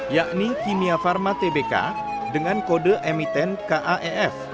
yakni kimia pharma tbk dengan kode emiten kaef